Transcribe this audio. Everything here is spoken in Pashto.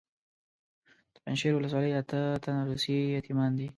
د پنجشیر ولسوالۍ اته تنه روسي یتیمان دي.